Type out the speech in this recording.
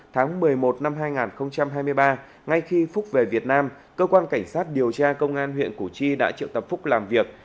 tháng một mươi một năm hai nghìn hai mươi ba ngay khi phúc về việt nam cơ quan cảnh sát điều tra công an huyện củ chi đã triệu tập phúc làm việc